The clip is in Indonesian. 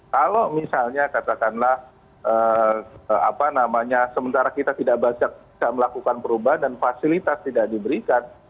kalau misalnya katakanlah apa namanya sementara kita tidak banyak melakukan perubahan dan fasilitas tidak diberikan